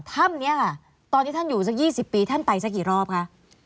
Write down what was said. ถ้ำนี้ค่ะตอนที่ท่านอยู่สัก๒๐ปีท่านไปสักกี่รอบคะ